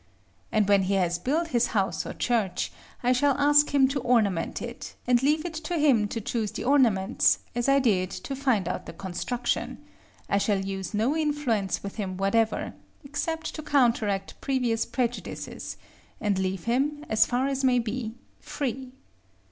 And when he has built his house or church, I shall ask him to ornament it, and leave it to him to choose the ornaments as I did to find out the construction: I shall use no influence with him whatever, except to counteract previous prejudices, and leave him, as far as may be, free.